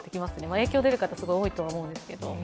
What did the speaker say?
影響出る方、すごい多いとは思うんですけれども。